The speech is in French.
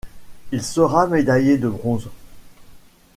Il sera médaillé de bronze.